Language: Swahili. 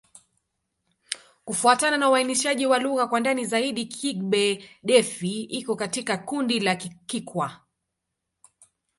Kufuatana na uainishaji wa lugha kwa ndani zaidi, Kigbe-Defi iko katika kundi la Kikwa.